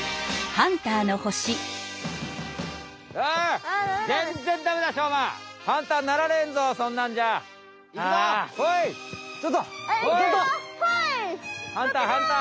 ハンターハンター！